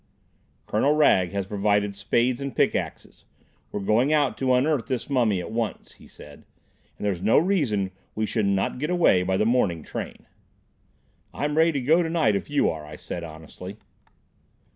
"Colonel Wragge has provided spades and pickaxes. We're going out to unearth this mummy at once," he said; "and there's no reason we should not get away by the morning train." "I'm ready to go tonight, if you are," I said honestly.